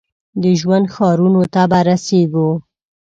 د ژوند ښارونو ته به ورسیږي ؟